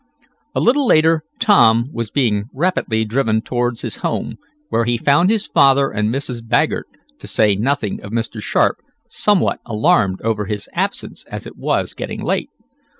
A little later Tom was being rapidly driven toward his home, where he found his father and Mrs. Baggert, to say nothing of Mr. Sharp, somewhat alarmed over his absence, as it was getting late.